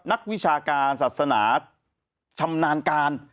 นักวิชาการศาสนาชำนาญการ